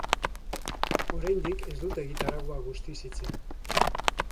Oraindik ez dute egitaraua guztiz itxi.